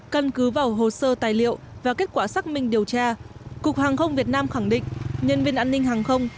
căn cứ vào hồ sơ tài liệu và kết quả xác minh điều tra cục hàng không việt nam khẳng định nhân viên an ninh hàng không